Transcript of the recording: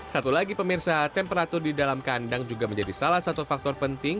satu lagi pemirsa temperatur di dalam kandang juga menjadi salah satu faktor penting